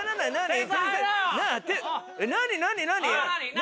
何？